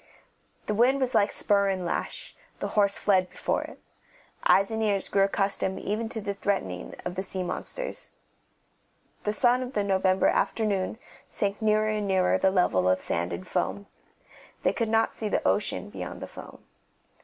The wind was like spur and lash; the horse fled before it. Eyes and ears grew accustomed even to the threatening of the sea monsters. The sun of the November afternoon sank nearer and nearer the level of sand and foam; they could not see the ocean beyond the foam.